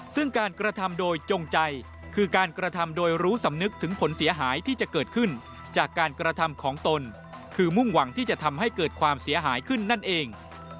ซึ่งการกระทำโดยจงใจคือการกระทำโดยรู้สำนึกถึงผลเสียหายที่จะเกิดขึ้นจากการกระทำของตนคือมุ่งหวังที่จะทำให้เกิดความเสียหายขึ้นนั่นเอง